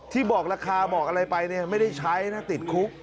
ที่บอกราคาบอกอะไรไปไม่ได้ใช้นะติดคุก